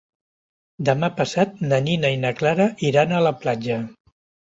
Demà passat na Nina i na Clara iran a la platja.